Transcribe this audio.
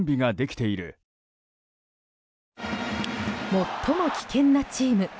最も危険なチーム。